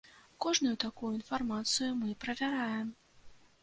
Кожную такую інфармацыю мы правяраем.